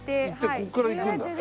ここから行くんだ。